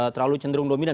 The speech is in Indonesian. terlalu cenderung dominan